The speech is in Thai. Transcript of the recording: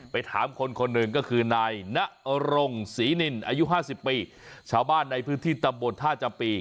ถามคนคนหนึ่งก็คือนายนรงศรีนินอายุห้าสิบปีชาวบ้านในพื้นที่ตำบลท่าจำปี